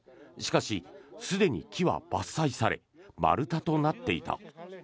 しかしすでに木は伐採され丸太となっていた。